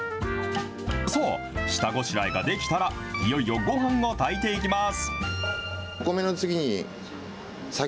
さあ、下ごしらえができたら、いよいよごはんを炊いていきます。